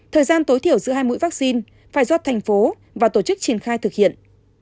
thời gian tối thiểu giữa hai mũi vaccine phải do thành phố và tổ chức triển khai thực hiện